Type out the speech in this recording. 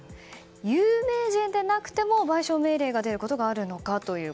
有名人でなくても賠償命令が出ることがあるのか。